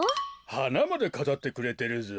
はなまでかざってくれてるぞ。